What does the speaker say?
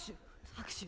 拍手。